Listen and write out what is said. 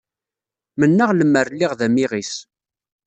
Mennaɣ lemmer lliɣ d amiɣis.